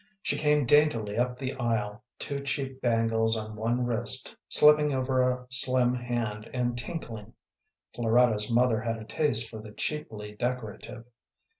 She came daintily up the aisle, two cheap bangles on one wrist slipping over a slim hand, and tinkling. Floretta's mother had a taste for the cheaply decorative.